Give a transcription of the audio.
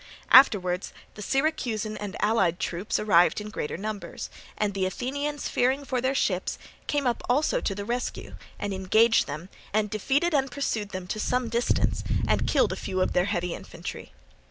Afterwards the Syracusan and allied troops arrived in greater numbers, and the Athenians fearing for their ships came up also to the rescue and engaged them, and defeated and pursued them to some distance and killed a few of their heavy infantry.